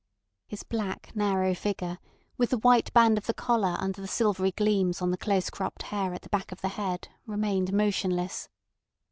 His black, narrow figure, with the white band of the collar under the silvery gleams on the close cropped hair at the back of the head, remained motionless.